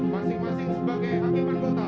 masing masing sebagai hakim angkota